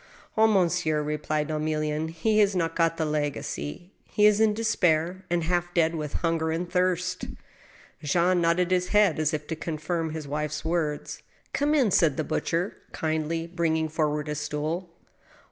" Ah, monsieur," replied Emilienne, " he has not got the legacy. ... He is in despair, and half dead with hunger and thirst." Jean nodded his head as if to confirm his wife's words. " Come in," said the butcher, kindly, bringing forward a stool.